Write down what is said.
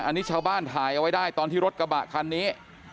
อันนี้ชาวบ้านถ่ายเอาไว้ได้ตอนที่รถกระบะคันนี้